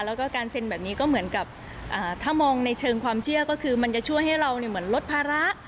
แล้วก็การเซ็นแบบนี้ก็เหมือนกับถ้ามองในเชิงความเชื่อก็คือมันจะช่วยให้เราเหมือนลดภาระ